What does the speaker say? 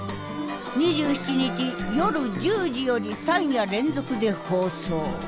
２７日夜１０時より３夜連続で放送。